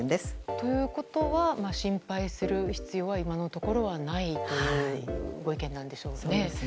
ということは心配する必要は今のところはないというわけなんでしょうかね。